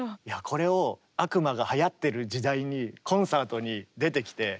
これを悪魔がはやってる時代にコンサートに出てきてしかも